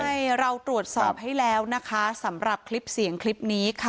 ใช่เราตรวจสอบให้แล้วนะคะสำหรับคลิปเสียงคลิปนี้ค่ะ